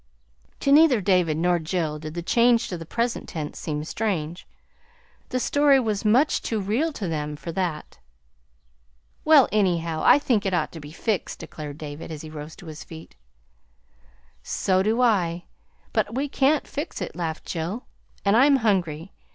To neither David nor Jill did the change to the present tense seem strange. The story was much too real to them for that. "Well, anyhow, I think it ought to be fixed," declared David, as he rose to his feet. "So do I but we can't fix it," laughed Jill. "And I'm hungry.